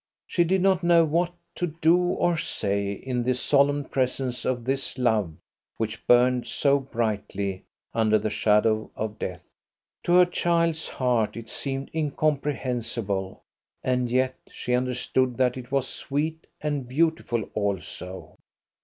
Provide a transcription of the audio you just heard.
She did not know what to do or say in the solemn presence of this love which burned so brightly under the shadow of death. To her child's heart it seemed incomprehensible and yet she understood that it was sweet and beautiful also.